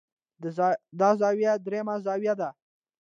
دا زاويه درېيمه زاويه ده